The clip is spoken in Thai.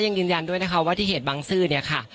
ยังยืนยันด้วยนะคะว่าที่เหตุบังซื้อเนี่ยค่ะ